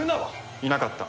いなかった。